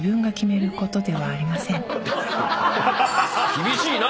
厳しいな！